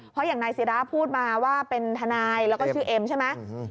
เพราะอย่างนายศิราพูดมาว่าเป็นทนายแล้วก็ชื่อเอ็มใช่ไหม